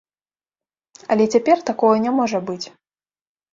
Але цяпер такога не можа быць.